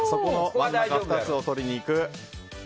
真ん中２つを取りに行く。